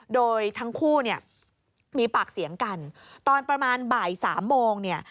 โดยทั้งคู่เนี่ยมีปากเสียงกันตอนประมาณบ่ายสามโมงเนี่ย